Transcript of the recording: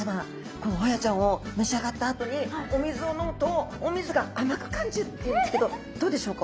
このホヤちゃんを召し上がったあとにお水を飲むとお水が甘く感じるっていうんですけどどうでしょうか？